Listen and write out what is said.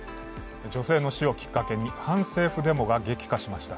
女性の死をきっかけに反政府デモが激化しました。